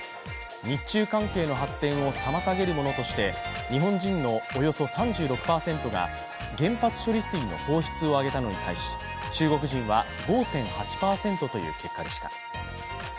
日中関係の発展を妨げるものとして日本人のおよそ３６％が原発処理水の放出を挙げたのに対し中国人は５．８％という結果でした。